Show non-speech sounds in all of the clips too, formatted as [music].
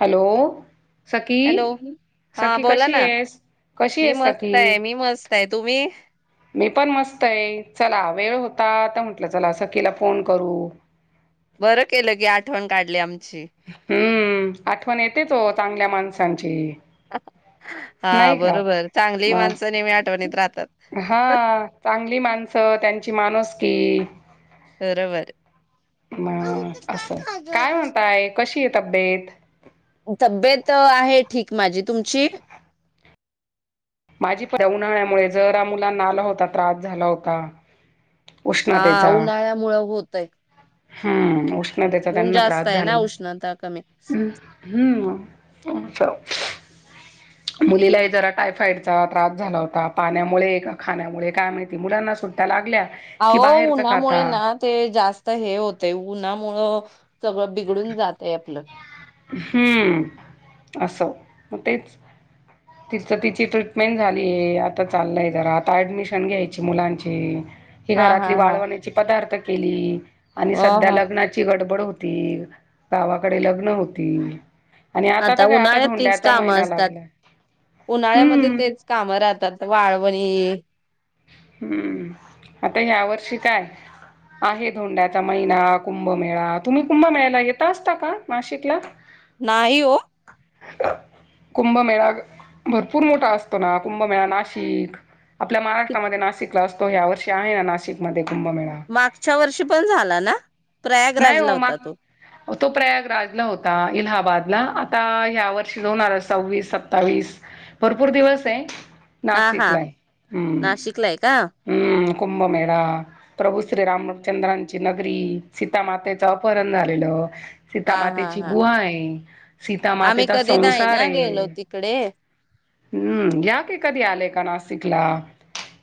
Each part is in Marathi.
हॅलो हॅलो हा सखी-सखी बोला कशी ना आहेस, कशी मी आहेस सखी मस्त आहे मी मस्त आहे तुम्ही मी पण मस्त आहे चला वेळ होता आता म्हंटलं चला सखीला फोन करू बरं केलं की आठवण काढली आम हम्म आठवण येतेच ओ चांगल्या माणसांची हा नाही का बरोबर चांगली म माणसं नेहमी आठवणीत राहतात हा चांगली माणस त्याची माणूस की बरोबर म असं काय म्हणताय कशी आहे तब्बेत तब्बेत आहे ठीक माझी तुमची? माझी पण आ या उन्हाळ्यामुळे जरा मुलांनां आला होता त्त्रास झाला होता हा उष्णतेचा उन्हाळ्यामुळ होतयं हम्म उष्ण उष्णतेचा त्यांना त्रास ना झाला उष्णता कमी हम्म हम्म मुलीला ही जरा टायफॉइड तेव्हा त्रास झाला होता पाण्यामुळे का खाण्यामुळे काय माहिती मुलांना सुट्ट्या लागल्या की अहो बाहेरच खाता उन्हामुळे ना ते जास्त हे होतय उन्हामुळ सगळ बिघडुन जातय आपलं हम्म असं म तेच तिथं तीची ट्रीटमेंट झालीय आता चांलय जरा आता ऍडमिशन घ्यायची मुलांनची ही हा हा घरातली हा वाळवणी ची पदार्थ केली आणि अ सध्या ह लग्नाची गडब गडबड होती. गावाकडे लग्न होती. आणि आता तर काय आता उन्हाळ्यात तीच धोंड्याचा कामं महिना असतात लागलाय उन्हाळ्यामध्ये हम्म तेच काम राहतात वाळ वणी हूं आता या वर्षी काय आहे. धोंड्याचा महिना, कुंभ मेळा तुम्ही कुंभ मेळ्याला येत आसता का? नाशिकला नाही ओ कुंभ मेळा भरपूर मोठा आसतो ना कुंभ मेळा नाशिक आपल्या महारा नाशिकला अस हो यावर्षी आहे ना नाशिक मध्ये मागच्या वर्षी पण झाला ना? नाही प्रयागराजला हो होता माग तो तो प्रचागराज ला होता इन्हाबादला आता या वर्षी दोन हजार सव्वीस सत्तावीस भरपूर दिवस ए. हा हा नाशिकलाय हूं नाशिकला आहे का हूं कुंभ मेळा, प्रभू श्रीराम राम चंद्रांची नगरी सीता मातेच अपहरण झालेल सिता हा हा मातेची हा गुहाये सिता आम्ही मातेचा कधी नाही संसार ना गेलो ये. तिकडे हूं या की कधी आले का नाशिकला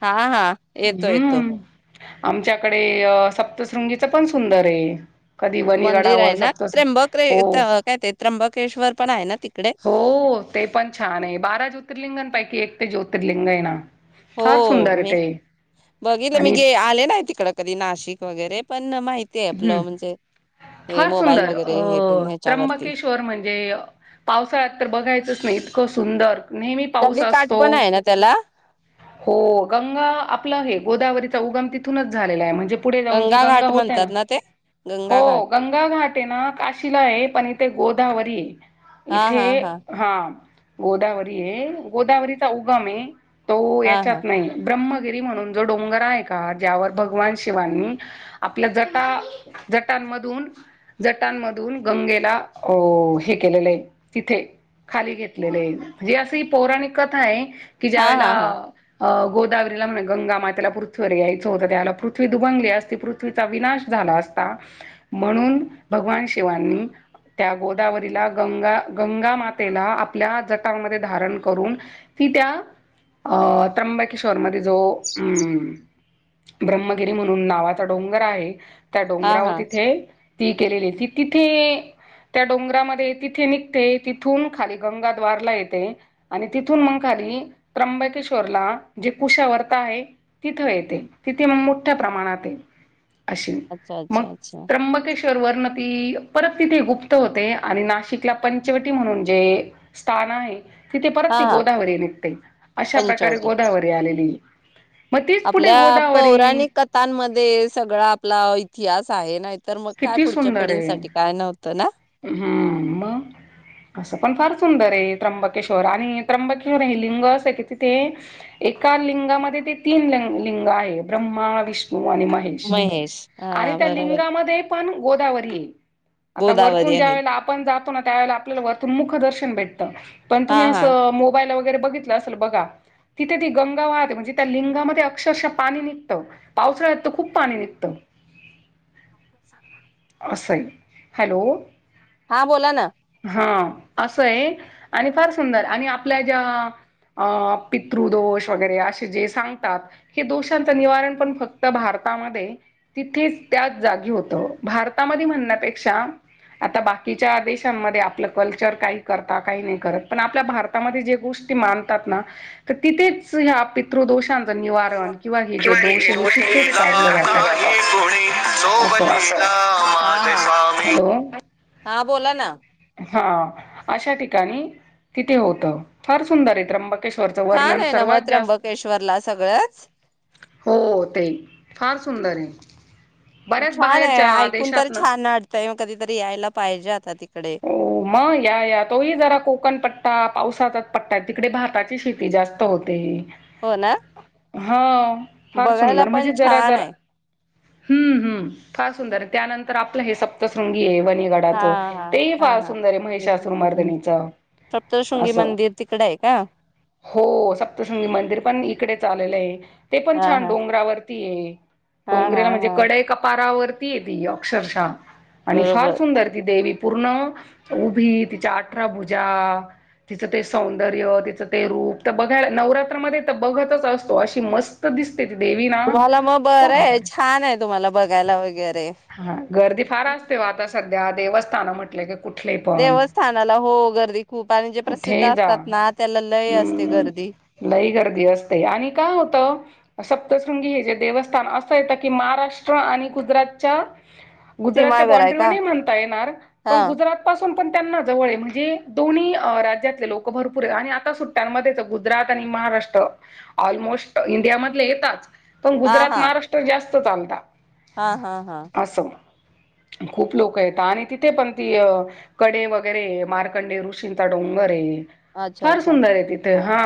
हा हा येतो येतो. हम्म. आमच्याकडे सप्तशृंगीच पण सुंदरये. कधी मंदिर आहे वनीगडावर ना सगत त्र्यंबके हो काय ते त्र्यंबकेश्वर पण आहे ना तिकडे हो ते पण छानये बारा ज्योतिर्लिंगांपैकी एक ते ज्योत लिंग आहे ना फार सुंदर हो आहे मी ते बघलं मी आणि गे आले नाय तिकड कधी नाशिक वगैरे पण माहिती आहे हूं आपलं म्हणजे हे फार मोबाईल सुंदर अ वगैरे हे ते अ ह्याच्यावरती त्र्यंबकेश्वर म्हणजे पावसाळ्यात तर बघायचच नाही इतकं सुंदर नेहमी पाऊस नदी काठ असतो पण आहे ना त्याला हो गंगा आपलं हे गोदावरी उगम तिथूनच झालेला आहे म्हणजे पुढे जाऊन जी गंगा घाट होते म्हणतात ना ते गंगा घाट हो गंगा घाट ये ना काशीला आहे पण इथे गोद दावरी हा इथे हा हा गोदावरी ए गोदावरीचा उगम ए तो हा हा याच्यात नाही ब्रह्म म्हणून जो डोंगर आहे का ज्यावर भगवान शिवांनी आपल्या जटांमधून जटांमधून गंगेला अ हे केलेलं आहे तिथे खाली घेतलेले आहे जे अशी पौराणिक कथा आहे की ज्या हा हा वेळेला हा अ गोदावरीला म्हण गंगा मातेला पृथ्वीवर यायचं होतं त्याला पृथ्वी दुबंगली असती पृथ्वीचा विनाश झाला असता म्हणून भगवान शिवांनी त्या गोदावरीला गंगा गंगा मातेला आपल्या जटामध्ये धारण करून ती त्या अं त्र्यंबकेश्वर मध्ये जो अ ब्रह्मगिरी म्हणून नावाचा डोंगर आहे त्या हा डोंगराव हा तिथे ती केलेली ती तिथे त्या डोंगरामध्ये तिथे निघते तिथून खाली गंगाद्वारला येते आणि तिथून मग खाली त्र्यंबकेश्वरला जे कुशा वर्ता आहे तिथं येते तिथे मग मोठ्या प्रमाणात आहे अशी अच्छा, अच्छा, अच्छा वरण ती परत तिथे गुप्त होते आणि नाशिकला पंचवटी म्हणून जे स्थान आहे. तिथे परत हा ती हा गोदावरी निघते अशा प्रकारे पंचवटी गोदावरी आलेलीये. आपल्या पौराणिक कथांमध्ये सगळा आपला इतिहास आहे नाही तर मग काय किती पुढच्या पिढींसाठी काय नव्हतं ना हम् मग असं पण फार सुंदर आहे त्र्यंबकेश्वर आणि त्र्यंबकेश्वर हे लिंग असं आहे की तिथे एका लिंगामध्ये ते तीन ल लिंग आहे ब्रह्मा, विष्णु आणि महेश आणि हा त्या बरोबर लिंगामध्ये पण गोदावरी ये आता गोदावरी वरतून ज्या आहे वेळे आपण जातो ना त्यावेळेला आपल्याला वरतून मुख दर्श संंबट पण हा तुम्ही अस हा मोबाईल वगैरे बगितल असेल बघा तिथे ती गंगा वाहते म्हणजे त्या लिंगामध्ये अक्षरशः पाणी निघत पावसळ्यात खूप पाणी निघत. [inaudible] असय हॅलो हा बोला ना हा असं आहे आणि फार सुंदर आणि आपल्या ज्या पितृ दोष वगैरे असे जे सांगतात हे दोषांचं निवारण पण फक्त भारतामध्ये तिथेच त्याच जागी होत. भारतामध्ये म्हणण्यापेक्षा आता बाकीच्या देशांमध्ये आपलं कल्चर काही करता काही नाही करत पण आपल्या भारतामध्ये जे गोष्टी मानतात ना तर तिथेच ह्या पितृदोषां तिथेच काढले जातात असं [unintelligible] माझे स्वामी हॅलो हा बोला ना हा. अशा ठिकाणी तिथे होत फार सुंदर आहे त्र्यंबक छान आहे ना म त्र्यंबकेश्वरला सगळंच. हो ते फार सुंदर आहे. बऱ्याच छान बाहेर आहे ऐकून तर छान वाटतंय कधीतरी यायला पाहिजे आता त हो मग या या तोही जरा कोकण पट्टा पाऊस सातात पट्टा तिकडे भाताची शेती जास्त होते. हो ना हा फार बघायला सुंदर पण म्हणजे जरा छान जरा आहे. हम्म हम्म फार सुंदर आहे. त्यांनतर आपल हे सप्तशृंगी ये, वणीये हा अलीगडाचं हा हा फार हा सुंदरए महिशासुरमरदीनीच सप्तशृंगी अस मंदिर तिकडे आहे का हो सप्तशृंगी मंदिर पण इकडेच. इथं आलेलं आहे. ते पण हा छान हा डोंगरावर ते हा हा डोंगऱ्या म्हणजे हा कडई कपारावर ती ये ती अक्षरशा आणि फार बरोबर सुंदर ती देवी पूर्ण उभी तिच्या अठरा भुजा, तिचं ते सौंदर्य, तिचं ते रूप तर बघाय नवरात्रामध्ये तर बघतच असतो. अशी मस्त दिसते. ती देवी ना तुम्हाला म बरं आय, बापरे छान हाय तुम्हाला बघायला वगैरे. हा गर्दी फार असते हो आता सध्या देव ताना म्हटले की कुठले पण, देवस्थानाला हो गर्दी खूप आणि जे कुठे प्रसिद्ध ही जा, असतात ना त्याला लय असते हंम्म गर्दी लै गर्दी असते आणि काय होत तसंगी हे जे देवस्थान असं येतं की महाराष्ट्र आणि गुजरातच्या गुजरातच्या सीमाळवेर आहे बॉंड्री वर का नाही म्हणता येणार. हा पण गुजरात पासू पण त्यांना जवळ म्हणजे दोन्ही राज्यातले लोक भरपुर आणि आता सुट्ट्या मध्ये तर गुजरात आणि महाराष्ट्र ऑलमोस्ट इंडीयामधले येतात. पण हा गुजरात, हा महाराष्ट्र जास्त तोच आलता. हा हा हा अस खूप लोक येता आणि ति तिे पण ती कडे वगैरे मारकंडे ऋषींचा डोंगरए अच्छा फार अच्छा सुंदर आहे तिथ. ते हा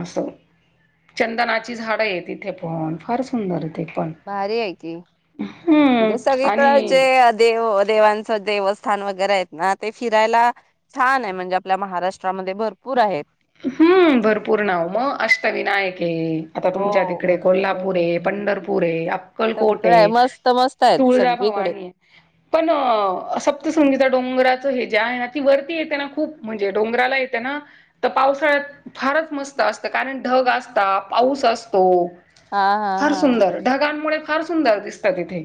असंचंदनाची झाडं आहे तिथे पण फार सुंदरे भारी आय की. हम्म म्हणजे सगळीकडे आणि जे देव देवांच देवस्थान वगैरे आहेत ना ते फिरायला छान आहे म्हणजे आपल्या महाराष्ट्रामध्ये भरपूर आहेत. हम्म भरपूर नाव मग अष्टविनायक आहे आता तुमच्या तिकडे हो कोल्हापूरए, पंढरपूरए, सगळं आहे अक्कलकोटए, मस्त मस्त आहेत सगळीकडे तुळजाभवानीए पण सप्तसृंगीचा डों डोंगराचं हे जे आहे ना ती वरती येते ना खूप म्हणजे डोंगराला येते ना. तर पावसाळ्यात फारच मस्त असतं, कारण ढग असता पाऊस असतो हा हा फार हा सुंदर ढगांमुळे फार सुंदर दिसताय तिथे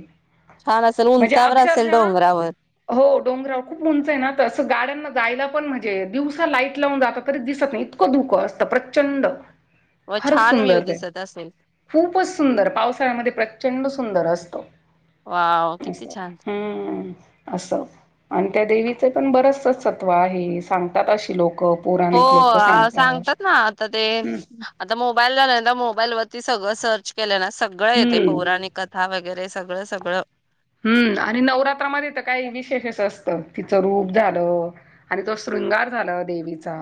छान असेल म्हणजे उंचावर असेल अक्षरशः डोंगरावर हो डोंगरावर खूप उंचय ना त अस गाड्याना जायला पण म्हणजे दिवसा लाईट लावून जातात. तरी दिसत नाही इतक धुक असत प्रचंड व फारच छान व्ह्यू सुंदर ते दिसत असेल खूपच सुंदर पावसाळ्यामध्ये प्रचंड सु सुंदर असतो. वाव किती छान. अस आणि त्या देवीचे पण बरच सत्व आहे सांगतात अशी लोक हो पौराणिक लोक सांगतात ना आता ते हम्म आता मोबाईल आलाय ना मोबाईलवर ते सगळ सर्च केल ना सगळ येतय हम्म पौराणिक कथा वगैरे सगळच सगळ. हम्म आणि नवरात्रामध्ये तर काही विशेष अस तिच रूप झाल आणि तो शृंगार झाला देवी ता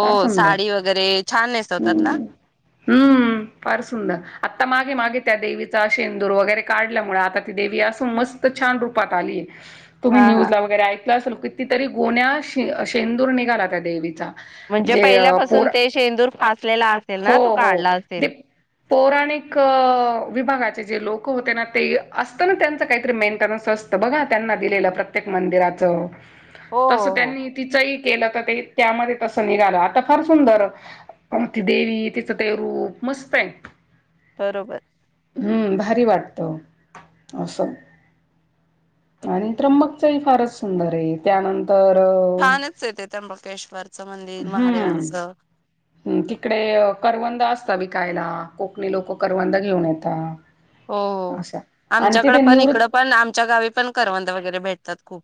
फार सुंदर साडी वगैरे छान नेसवतात ना हम्म हम्म फार सुंदर आता माग मागे त्या देवीचा शेंदूर वगैरे काढल्यामुळे आता ती देवी अस मस्त छान रूपात आलीये. तुम्ही हा हा न्यूजला वगैरे ऐकल असल कितीतरी गोण्या शे शेंदूर निघाला त्या देवीचा म्हणजे जे पहिल्यापासून पोरा ते शेंदूर फासलेला असेल हो ना तो हो काढला जे असेल. पौराणिक विभागा जे लोक होते ना ते असत ना त्या काहीतरी मेंटेनन्स असत बघा त्यांना दिलेला प्रत्येक मंदिराच हो तस हो हो. त्यांनी तिचा ही केल तर ते त्यामध्ये तस निघाल आता फार सुंदर ती देवी तिच ते रूप मस्तय बरोबर हम्म भारी वाटत अस आणि त्र्यंबकचही फारच सुंदर आहे त्यानंतर तर छानच आहे ते त्र्यंबकेश्वरचं मंदिर हम्म महादेवांचं हहम्म तिकडे करवंद असता खायला कोकणी लोक करवंद घेऊन येतात. हो हो आमच्याकड पण इकड निवृत्त पण आमच्या गावी पण करवंद वगैरे भेटतात खूप.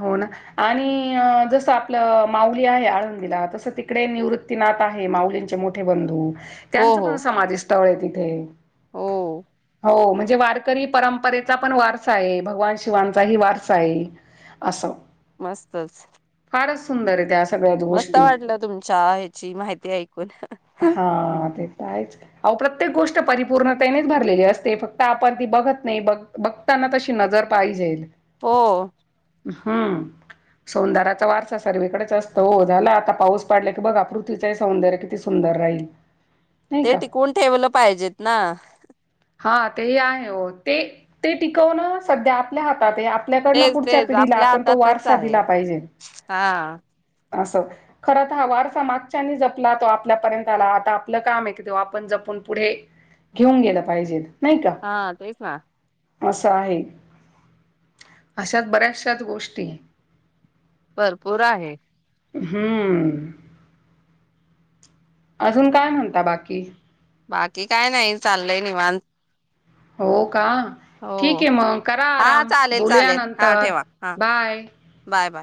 हो ना आणि जस आपल माऊली आहे आळंदीला तस तिकडे निवृत्तीनाथ आहे माऊलींचे मोठे बंधू हो त्यांच हो पण समाधीस्थळ आहे ते [inaudible] हो हो म्हणजे वारकरी परंपरेचा पण वारसा आहे भगवान शिवांचा ही वारसा आहे. असो मस्तच फारच सुंदर आहे त्या सगळ्याच मस्त गोष्टी. वाटलं तुमच्या ह्याची माहिती ऐकून हा ते तर आहेच. अहो प्रत्येक गोष्ट परिपूर्णतेनेच भरलेली असते फक्त आपण ती बघत नाही बघ बघताना तशी नजर पाहिजेत. ओ हम्म सौंदराचा वारसा सर्वीकडेच असत हो झाला आता पाऊस पडला की बघा पृथ्वीच सौंदर्य किती सुंदर राहील. नाही ते का? टिकवून ठेवलं पाहिजेत ना! हा तेही आहे हो ते ते टिकवन सध्या आपल्या हातात आहे आप तेच तेच आप आपल्या हातातच आहे दिला पाहिजे. हा असं खरं तर हा वारसा मागच्यानी जपला तो आपल्यापर्यंत आला आता आपलं काम हे की तो आपण जपून पुढे घेऊन गेलं पाहिजेत. हा तेच ना असं आहे अश्याच बऱ्याच. [unintelligible] गोष्टी भरपूर आहे हम्म अजून काय म्हणता बाकी? बाकी काय नाही चाललंय निवांत. हो का हो. ठीक हे मग करा हा आराम चालेल बोलूया चालेल हा नंतर ठेवा हा बाय बाय बाय